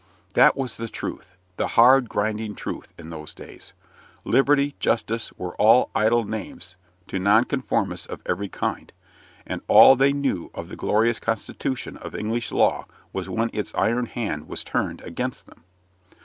That was the truth the hard, grinding truth in those days. Liberty, justice, were idle names to Nonconformists of every kind; and all they knew of the glorious constitution of English law was when its iron hand was turned against them.